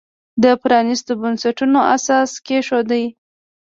د پرانیستو بنسټونو اساس کېښود.